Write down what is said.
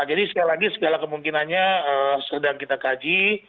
nah jadi sekali lagi segala kemungkinannya sedang kita kaji